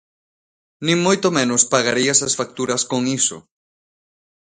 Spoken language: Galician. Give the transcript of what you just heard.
Nin moito menos pagarías as facturas con iso.